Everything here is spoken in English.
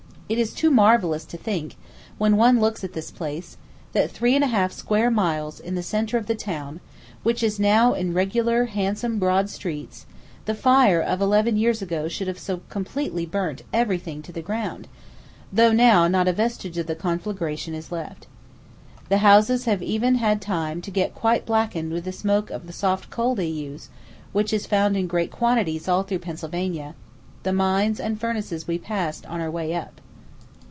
It is too marvellous to think, when one looks at this place, that three and a half square miles in the centre of the town, which is now in regular handsome broad streets, the fire of eleven years ago should have so completely burnt everything to the ground, though now not a vestige of the conflagration is left. The houses have even had time to get quite blackened with the smoke of the soft coal they use, which is found in great quantities all through Pennsylvania; the mines and furnaces we passed on our way up.